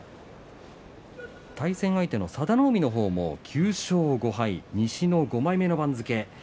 対戦相手の佐田の海の方も９勝５敗、西の５枚目の番付。